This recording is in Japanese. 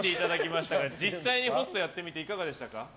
実際にホストやってみていかがでした？